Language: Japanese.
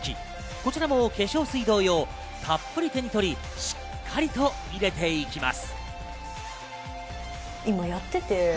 こちらの化粧水同様、たっぷり手に取り、しっかりと入れていきます。